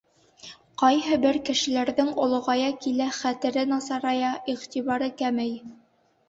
Ҡайһы бер кешеләрҙең олоғая килә хәтере насарая, иғтибары кәмей.